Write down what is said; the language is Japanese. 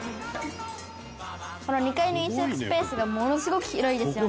「この２階の飲食スペースがものすごく広いですよね」